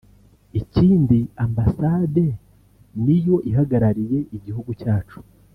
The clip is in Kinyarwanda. Ikindi Ambassade ni yo ihagarariye igihugu cyacu